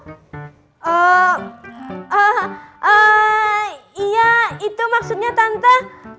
eh eh eh iya itu maksudnya tante